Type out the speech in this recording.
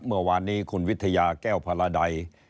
เมื่อวานนี้คุณวิทยาแก้วพาราดัย